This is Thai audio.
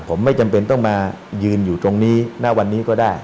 ผมไม่จำเป็นต้องมายืนอยู่ตรงนี้ณวันนี้ก็ได้